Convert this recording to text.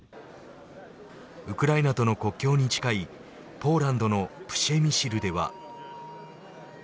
ウクライナとの国境に近いポーランドのプシェミシルでは。